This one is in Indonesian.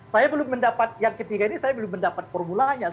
saya belum mendapat yang ketiga ini saya belum mendapat formulanya